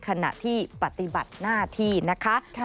ขณะที่ปฏิบัติหน้าที่นะคะ